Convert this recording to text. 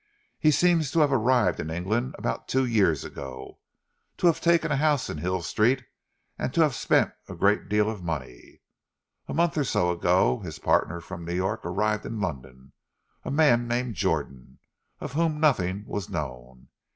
He seems to have arrived in England about two years ago, to have taken a house in Hill Street, and to have spent a great deal of money. A month or so ago, his partner from New York arrived in London, a man named Jordan of whom nothing was known.